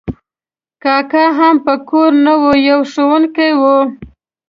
کاکا هم په کور نه و، یو ښوونکی و.